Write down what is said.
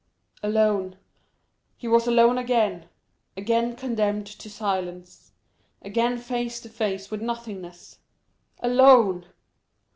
Alone! he was alone again! again condemned to silence—again face to face with nothingness! Alone!